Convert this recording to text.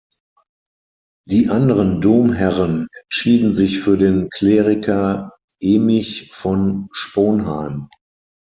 Die anderen Domherren entschieden sich für den Kleriker Emich von Sponheim.